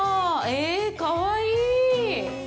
えぇ、かわいい。